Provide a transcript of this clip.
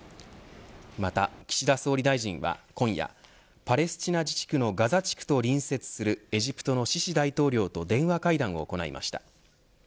また、岸田総理大臣は今夜パレスチナ自治区のガザ地区と隣接するエジプトのシシ大統領と電話会談を行いました。